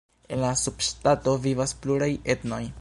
En la subŝtato vivas pluraj etnoj.